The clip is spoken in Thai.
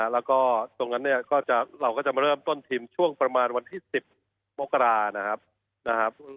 แล้วก็ตรงนั้นเนี่ยเราก็จะมาเริ่มต้นทีมช่วงประมาณวันที่๑๐มกรานะครับ